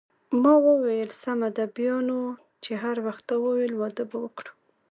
ما وویل: سمه ده، بیا نو چې هر وخت تا وویل واده به وکړو.